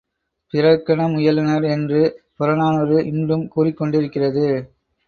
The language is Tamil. பிறர்க்கென முயலுநர் என்று, புறநாறூறு இன்றும் கூறிக்கொண்டிருக்கிறது.